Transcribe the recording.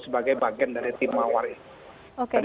sebagai bagian dari tim mawaris